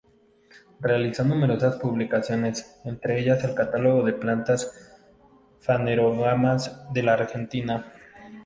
Realizó numerosas publicaciones, entre ellas el catálogo de plantas fanerógamas de la Argentina.